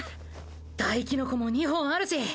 ダイキノコも２本あるし。